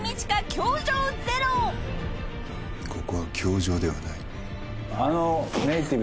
「ここは教場ではない」